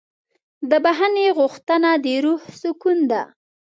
د بښنې غوښتنه د روح سکون ده.